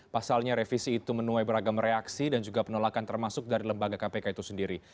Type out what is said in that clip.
pasalnya revisi itu menuai beragam reaksi dan juga penolakan termasuk dari lembaga kpk itu sendiri